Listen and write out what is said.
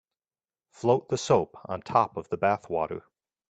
Float the soap on top of the bath water.